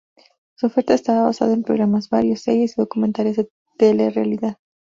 Su oferta estaba basada en programas varios, series y documentales de telerrealidad.